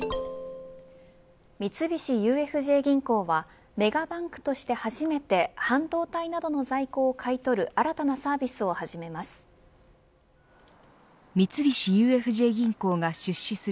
三菱ＵＦＪ銀行はメガバンクとして初めて半導体などの在庫を買い取る新たなサービスを始めます。